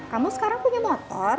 kamu sekarang punya motor